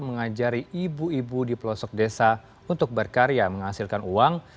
mengajari ibu ibu di pelosok desa untuk berkarya menghasilkan uang